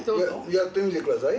やってみてください。